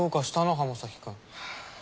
浜崎君。